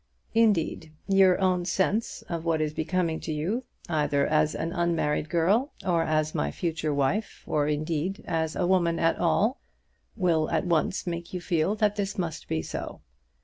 Indeed, your own sense of what is becoming to you, either as an unmarried girl or as my future wife, or indeed as a woman at all, will at once make you feel that this must be so.